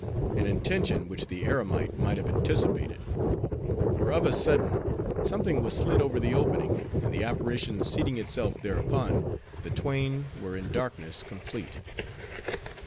An intention which the eremite must have anticipated; for of a sudden, something was slid over the opening; and the apparition seating itself thereupon, the twain were in darkness complete.